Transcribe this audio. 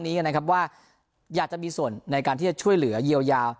นี้นะครับว่าอยากจะมีส่วนในการที่จะช่วยเหลือเยียวยา